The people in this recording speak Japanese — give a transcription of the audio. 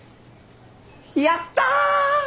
やったぁ！